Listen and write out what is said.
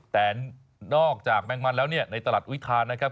แต่นอกจากแมงมันแล้วในตลัดวิทยานะครับ